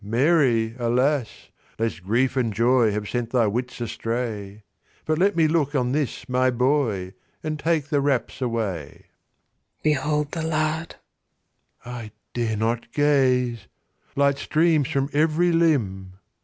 JOSEPH Mary, alas, lest grief and joy Have sent thy wits astray; But let me look on this my boy, And take the wraps away. MARY Behold the lad. JOSEPH I dare not gaze: Light streams from every limb.